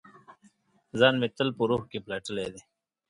ځان مې تل په روح کې پلټلي دی